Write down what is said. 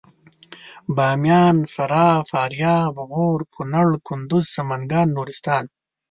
باميان فراه فاریاب غور کنړ کندوز سمنګان نورستان